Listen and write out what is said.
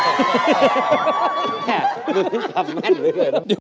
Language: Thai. เอนนี่ทำแม่นเลยเหรอ